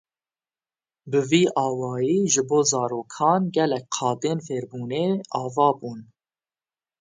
Bi vî awayî ji bo zarokan gelek qadên fêrbûnê ava bûn.